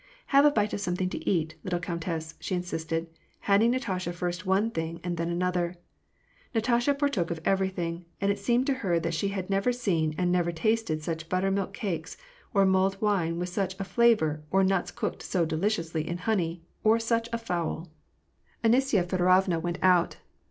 " Have a bite of something to eat, little countess," she in sisted, handing Natasha first one thing and then another. Natasha partook of everything ; and it seemed to her that she had never seen and never tasted such buttermilk cakes, or mulled wine with such a flavor or nuts cooked 90 delioiously in honey, or such a fowl ! WAR AND PEACE. 273 Anisya Feodorovna went out.